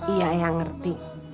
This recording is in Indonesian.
iya ayah ngerti